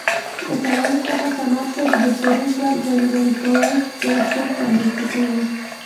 له کرنې څخه صنعت ته د بشري ځواک ځانګړي کول ظرفیت رامنځته کوي